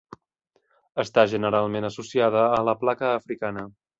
Està generalment associada a la placa africana.